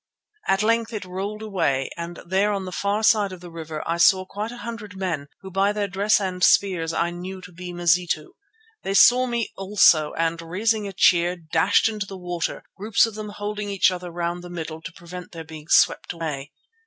At length it rolled away and there on the farther side of the river I saw quite a hundred men who by their dress and spears I knew to be Mazitu. They saw me also and raising a cheer, dashed into the water, groups of them holding each other round the middle to prevent their being swept away.